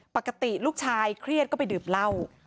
ปกติลูกชายเครียดก็ไปดื่มเหล้า